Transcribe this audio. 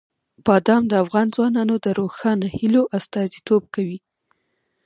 بادام د افغان ځوانانو د روښانه هیلو استازیتوب کوي.